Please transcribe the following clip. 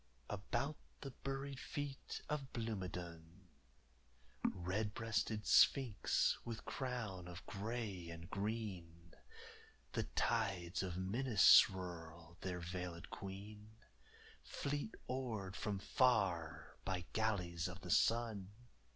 About the buried feet of Blomidon, Red breasted sphinx with crown of grey and green, The tides of Minas swirl, their veilëd queen Fleet oared from far by galleys of the sun.